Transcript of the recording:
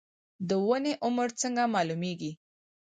د ونې عمر څنګه معلومیږي؟